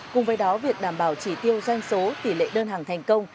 cùng với đó việc đảm bảo chỉ tiêu doanh số tỷ lệ đơn hàng thành công